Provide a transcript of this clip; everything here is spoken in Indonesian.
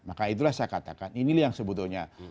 maka itulah saya katakan ini yang sebutunya